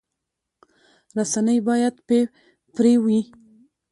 رسنۍ باید بې پرې وي